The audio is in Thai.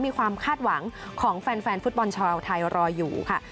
มีความคาดหวังของแฟนฟุตบอลชาวไทยรออยู่ค่ะ